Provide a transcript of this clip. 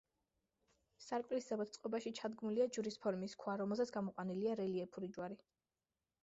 სარკმლის ზემოთ წყობაში ჩადგმულია ჯვრის ფორმის ქვა, რომელზეც გამოყვანილია რელიეფური ჯვარი.